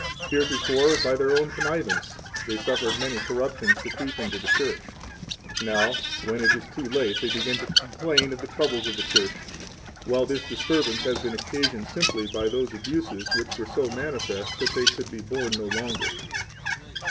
Heretofore, 15 by their own connivance, they suffered many corruptions to creep into the Church. Now, when it is too late, they begin to complain 16 of the troubles of the Church, while this disturbance has been occasioned simply by those abuses which were so manifest that they could be borne no longer.